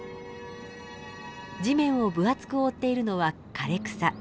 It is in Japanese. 地面を分厚く覆っているのは枯れ草。